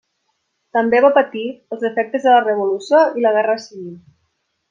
També va patir els efectes de la revolució i la guerra civil.